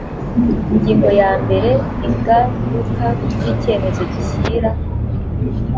ingingo ya mber ingaruka z icyemezo gishyira